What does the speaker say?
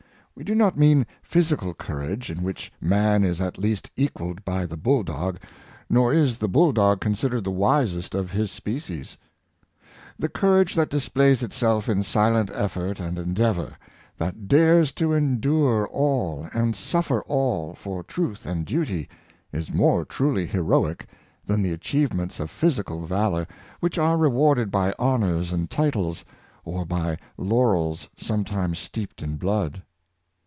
We do not mean physical courage, in which man is at least equalled by the bull dog; nor is the bull dog considered the wisest of his species. The courage that displa3''s itself in silent effort and endeavor — that dares to endure all and suffer all for truth and duty — is more truly heroic than the achieve ments of physical valor, which are rewarded by honors and titles, or by laurels sometimes steeped in blood.